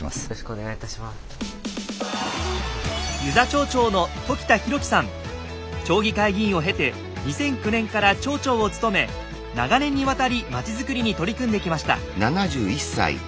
町議会議員を経て２００９年から町長を務め長年にわたり町づくりに取り組んできました。